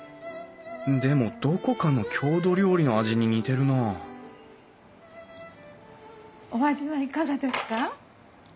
でもどこかの郷土料理の味に似てるなあお味はいかがですか？